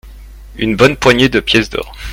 Une bonne poignée de pièces d'or.